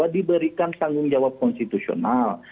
diberikan tanggung jawab konstitusional